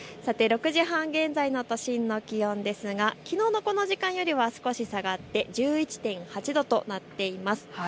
６時半現在の都心の気温ですがきのうのこの時間よりは少し下がって１１．８度となっています。